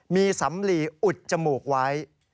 มีสำลีอุดจมูกไว้